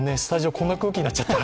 こんな空気になっちゃった。